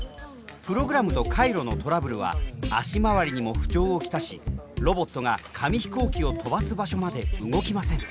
プログラムと回路のトラブルは足回りにも不調を来しロボットが紙飛行機を飛ばす場所まで動きません。